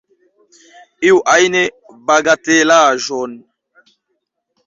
Iu ajn bagatelaĵon.